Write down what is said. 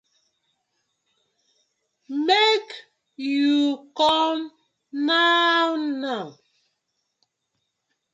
Mak yu com naw naw.